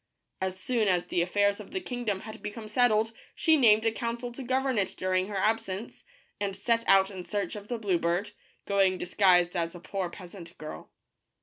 As soon as the affairs of the kingdom had become settled she named a council to govern it during her absence, and set out in search of the blue bird, going disguised as a poor peasant girl.